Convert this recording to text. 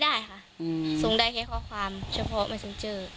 ได้ค่ะส่งได้แค่ข้อความเฉพาะไม่เซ็นเจอร์